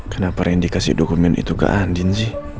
kenapa rini dikasih dokumen itu ke andin sih